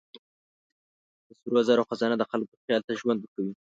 د سرو زرو خزانه د خلکو خیال ته ژوند ورکوي.